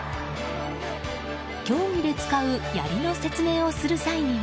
競技で使うやりの説明をする際には。